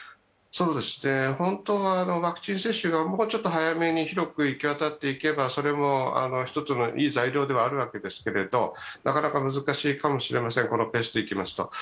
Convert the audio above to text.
本当はワクチン接種がもうちょっと早めに行き渡っていけばそれも一つのいい材料ではあるわけですけれどもなかなか難しいかもしれません、このペースでいきますと。